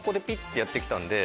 てやってきたんで。